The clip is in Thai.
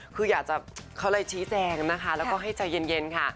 คืออยากจะเขาเลยชี้แจงนะคะแล้วก็ให้ใจเย็นค่ะ